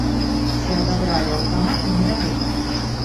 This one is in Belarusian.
Ці адабралі аўтаматы, невядома.